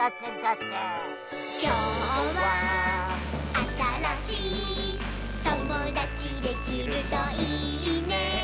「きょうはあたらしいともだちできるといいね」